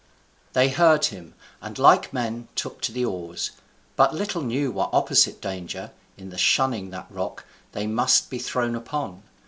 They heard him, and like men took to the oars; but little knew what opposite danger, in shunning that rock, they must be thrown upon.